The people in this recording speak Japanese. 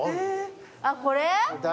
あっこれ？